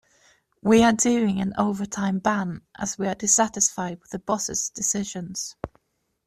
We are doing an overtime ban as we are dissatisfied with the boss' decisions.